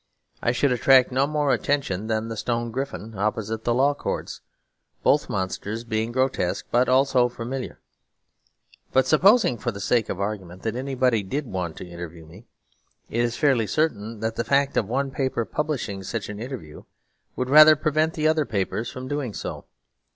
I should attract no more attention than the stone griffin opposite the Law Courts; both monsters being grotesque but also familiar. But supposing for the sake of argument that anybody did want to interview me, it is fairly certain that the fact of one paper publishing such an interview would rather prevent the other papers from doing so.